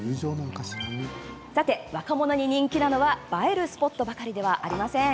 さて、若者に人気なのは映えるスポットばかりではありません。